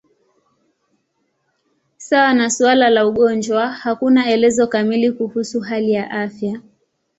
Sawa na suala la ugonjwa, hakuna elezo kamili kuhusu hali ya afya.